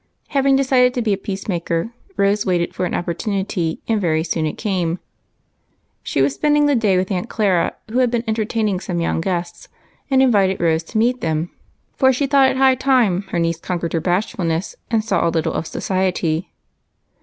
Having decided to be a peace maker. Rose waited foi an opportunity, and very soon it came. She was spending the day with Aunt Clara, who had been entertaining some young guests, and invited Rose to meet them, for she thought it high time her 270 EIGHT COUSINS. niece conquered her bashfulness, and saw a little of society.